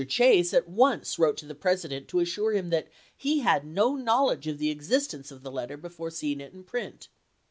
Chase at once wrote to the President to assure him that he had no knowledge of the existence of the letter before seeing it in print.